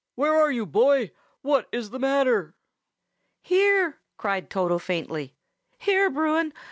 Where are you, boy? What is the matter?" "Here!" cried Toto faintly. "Here, Bruin!